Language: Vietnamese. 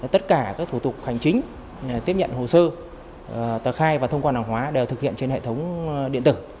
tất cả các thủ tục hành chính tiếp nhận hồ sơ tờ khai và thông quan hàng hóa đều thực hiện trên hệ thống điện tử